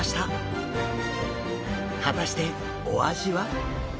果たしてお味は？